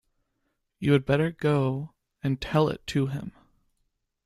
You had better go and tell it to him.